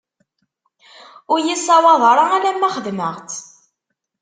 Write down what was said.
Ur yi-ssawaḍ ara alamma xedmeɣ-tt.